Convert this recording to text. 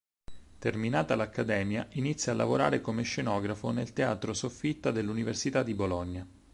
Terminata l'Accademia inizia a lavorare come scenografo nel Teatro Soffitta dell'Università di Bologna.